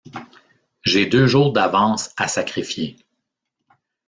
J’ai deux jours d’avance à sacrifier.